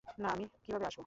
না আমি কিভাবে আসবো?